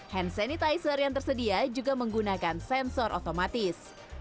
hand sanitizer yang tersedia juga menggunakan sensor otomatis